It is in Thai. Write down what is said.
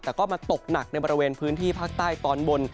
แต่ก็มาตกหนักในบริเวณพื้นที่ภาคใต้ตอนบน